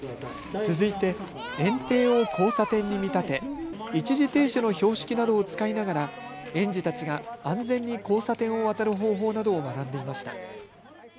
続いて園庭を交差点に見立て一時停止の標識などを使いながら園児たちが安全に交差点を渡る方法などを学んでいました。